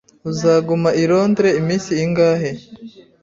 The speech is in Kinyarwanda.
Uzaguma i Londres iminsi ingahe?